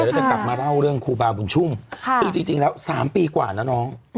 แล้วจะกลับมาเล่าเรื่องครูบาบุญชุ่มซึ่งจริงแล้ว๓ปีกว่านะน้อง